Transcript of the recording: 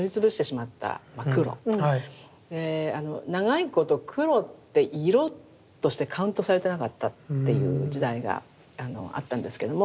長いこと黒って色としてカウントされてなかったっていう時代があったんですけれども。